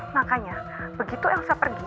makanya begitu yang saya pergi